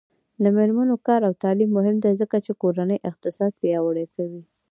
د میرمنو کار او تعلیم مهم دی ځکه چې کورنۍ اقتصاد پیاوړی کوي.